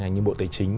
như bộ tài chính